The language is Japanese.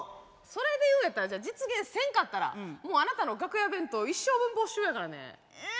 それで言うんやったらじゃあ実現せんかったらもうあなたの楽屋弁当一生分没収やからね。